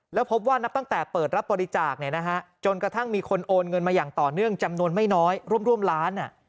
แล้วพบว่านับตั้งแต่เปิดรับบริจาคจนกระทั่งมีคนโอนเงินมาอย่างต่อเนื่องจำนวนไม่น้อยร่วมล้าน